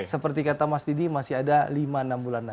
seperti kata mas didi masih ada lima enam bulan lagi